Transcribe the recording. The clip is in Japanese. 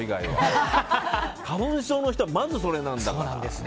花粉症の人はまず、それなんだから。